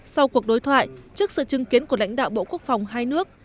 sau cuộc đối thoại trước sự chứng kiến của lãnh đạo bộ quốc phòng hai nước